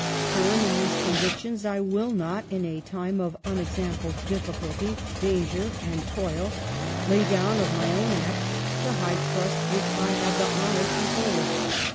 ... Firm in these convictions, I will not, in a time of unexampled difficulty, danger, and toil, lay down of my own act the high trust which I have the honour to hold."